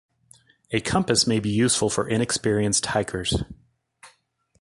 A compass may be useful for inexperienced hikers.